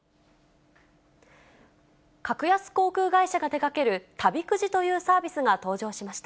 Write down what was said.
格安航空会社が手がける旅くじというサービスが登場しました。